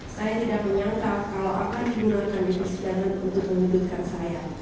saya tidak menyangka kalau akan digunakan di persidangan untuk menyudutkan saya